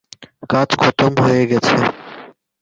কাজ খতম হয়ে গেছে?